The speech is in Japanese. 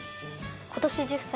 今年１０歳。